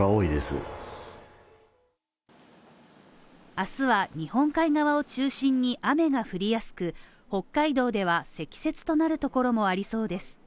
明日は日本海側を中心に雨が降りやすく、北海道では積雪となるところもありそうです。